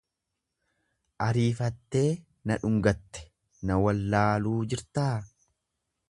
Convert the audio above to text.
Ariifattee na dhungatte na wallaaluu jirtaa?